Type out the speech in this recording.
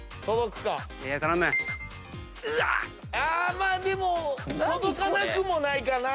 まあでも届かなくもないかな。